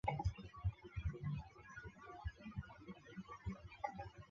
大河村遗址是位于黄河中游地区的新石器时代遗址。